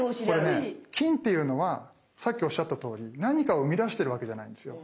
これね金っていうのはさっきおっしゃったとおり何かをうみだしてるわけじゃないんですよ。